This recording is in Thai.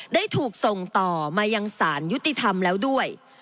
ได้ถูกส่งต่อมายังสารยุติธรรมแล้วด้วย